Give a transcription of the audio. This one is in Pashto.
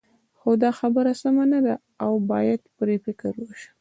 خو دا خبره سمه نه ده او باید پرې فکر وشي.